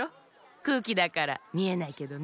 くうきだからみえないけどね。